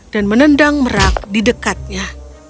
dan menendang merak di dekatnya